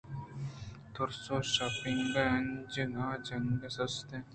تُرس ءَ شپانک ءِ آنجگ سِست